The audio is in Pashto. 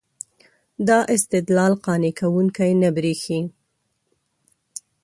دا استدلال قانع کوونکی نه برېښي.